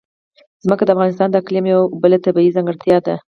ځمکه د افغانستان د اقلیم یوه بله طبیعي ځانګړتیا ده.